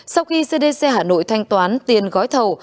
sau khi cdc hà nội thanh toán tiền gói thầu